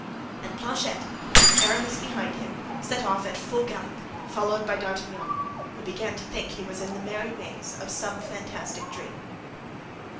And Planchet, with Aramis behind him, set off at full gallop, followed by D'Artagnan, who began to think he was in the merry maze of some fantastic dream.